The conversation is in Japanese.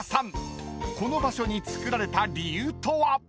［この場所につくられた理由とは⁉］